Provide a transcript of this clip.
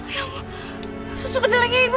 ya allah susu kedalai n kinged bu